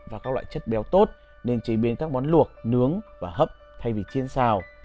và các loại chất béo tốt nên chế biến các món luộc nướng và hấp thay vì chiên xào